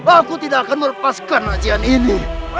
aku tidak akan melepaskan nasian ini